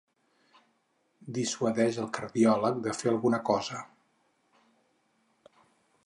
Dissuadeix el cardiòleg de fer alguna cosa.